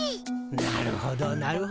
なるほどなるほど。